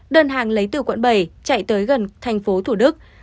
đơn hàng lấy từ quận bảy chạy tới gần thành phố thủ đức